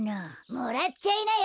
・もらっちゃいなよ！